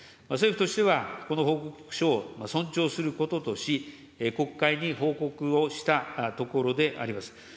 政府としては、この報告書を尊重することとし、国会に報告をしたところであります。